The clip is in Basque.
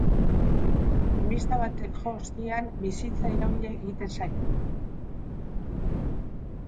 Tximista batek jo ostean, bizitza irauli egiten zaio.